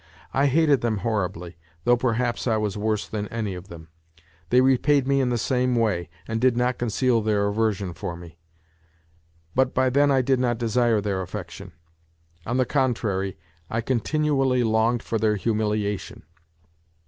I hated them horribly, though perhaps I was worse than any of them. They repaid me in the same way, and did not conceal their aversion for me. But by then I did not desire their affection : on the contrary I continually longed for their humiliation.